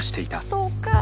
そうか。